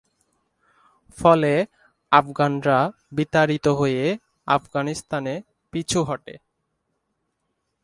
ফলে আফগানরা বিতাড়িত হয়ে আফগানিস্তানে পিছু হটে।